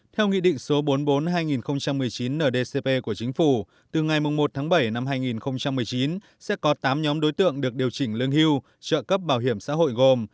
theo nghị định số bốn mươi bốn hai nghìn một mươi chín ndcp của chính phủ từ ngày một tháng bảy năm hai nghìn một mươi chín sẽ có tám nhóm đối tượng được điều chỉnh lương hưu trợ cấp bảo hiểm xã hội gồm